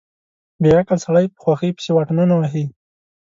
بې عقل سړی په خوښۍ پسې واټنونه وهي.